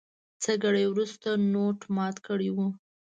څه ګړی وروسته نوټ مات کړی و.